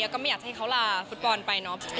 แล้วก็ไม่อยากให้เขาลาฟุตบอลไปเนาะ